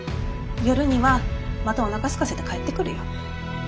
夜にはまたおなかすかせて帰ってくるよ。